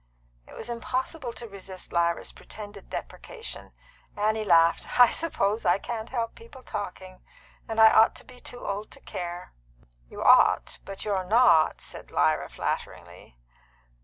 It was impossible to resist Lyra's pretended deprecation. Annie laughed. "I suppose I can't help people's talking, and I ought to be too old to care." "You ought, but you're not," said Lyra flatteringly.